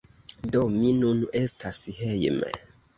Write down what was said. Do, mi nun estas hejme